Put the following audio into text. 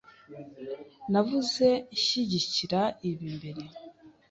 Navuze nshyigikira ibi mbere.